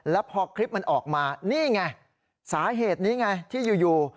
แล้วพอคลิปมันออกมานี่ไงสาเหตุนี้ไงที่อยู่